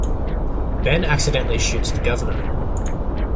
Ben accidentally shoots the governor.